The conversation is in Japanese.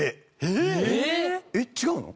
えっ違うの？